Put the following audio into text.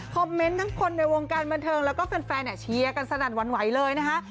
เมนต์ทั้งคนในวงการบันเทิงแล้วก็แฟนเชียร์กันสนั่นหวั่นไหวเลยนะคะ